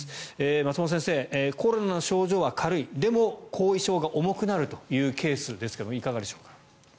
松本先生、コロナの症状は軽いでも、後遺症が重くなるというケースですがいかがでしょうか？